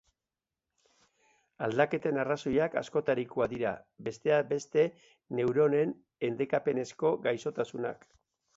Aldaketen arrazoiak askotarikoak dira, besteak beste, neuronen endekapenezko gaixotasunak.